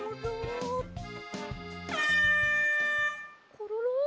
コロロ？